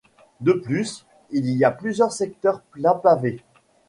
De plus, il y a plusieurs secteurs plats pavés.